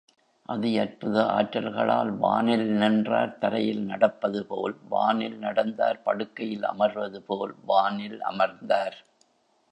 அதி அற்புத ஆற்றல்களால் வானில் நின்றார் தரையில் நடப்பதுபோல் வானில் நடந்தார் படுக்கையில் அமர்வதுபோல் வானில் அமர்ந்தார்.